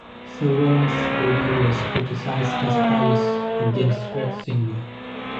Several reviewers criticized as biased against Ratzinger.